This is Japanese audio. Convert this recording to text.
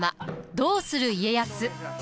「どうする家康」。